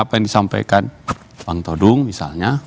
apa yang disampaikan bang todung misalnya